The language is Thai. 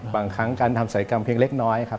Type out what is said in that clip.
บางครั้งการทำศัยกรรมเพียงเล็กน้อยครับ